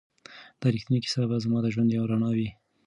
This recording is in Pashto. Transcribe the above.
دا ریښتینې کیسه به زما د ژوند یوه رڼا وي.